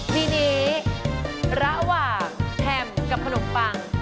ทีนี้ระหว่างแฮมกับขนมปัง